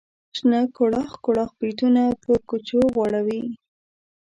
شنه کوړاخ کوړاخ بریتونه په کوچو غوړوي.